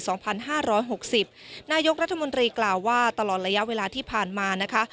สองพันห้าร้อยหกสิบนายกรัฐมนตรีกล่าวว่าตลอดระยะเวลาที่ผ่านมานะคะ